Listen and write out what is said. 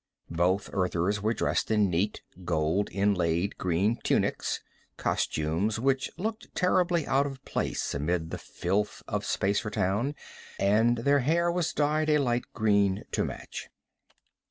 _ Both Earthers were dressed in neat, gold inlaid green tunics, costumes which looked terribly out of place amid the filth of Spacertown, and their hair was dyed a light green to match.